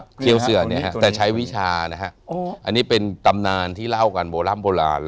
ครับเคี่ยวเสือนี้ครับแต่ใช้วิชานะครับอันนี้เป็นตำนานที่เล่ากันโบราณ